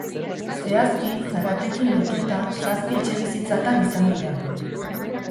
Zehazki, zaratekin lotuta zazpi etxebizitzatan izan dira.